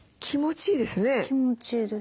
気持ちいいです。